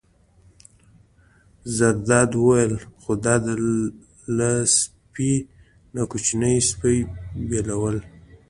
زرداد وویل: خو دا له سپۍ نه کوچنی سپی بېلول.